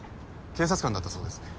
警察官だったそうですね。